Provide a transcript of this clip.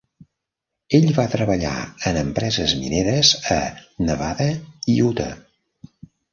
Ell va treballar en empreses mineres a Nevada i Utah.